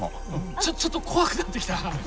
ちょちょっと怖くなってきた。